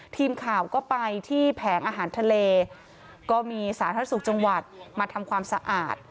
ทีมข่าวก็ไปที่แผงอาหารทะเลก็มีสาธารณสุขจังหวัดมาทำความสะอาด